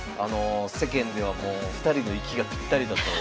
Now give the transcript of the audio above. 世間ではもう２人の息がぴったりだと。